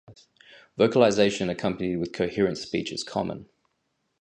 Vocalisation accompanied with coherent speech is common.